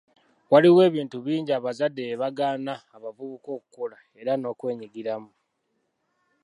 Waliwo ebintu bingi abazadde bye bagaana abavubuka okukola era n'okwenyigiramu